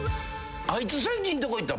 あいつ最近どこ行った？